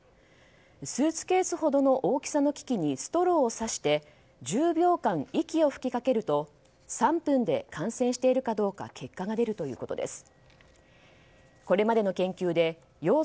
スーツケースほどの大きさの機器にストローを差して１０秒間息を吹きかけると３分で感染しているかどうか結果が出るということです。